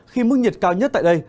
khi mức nhiệt cao nhất tại đây